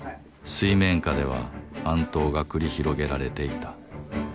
水面下では暗闘が繰り広げられていた。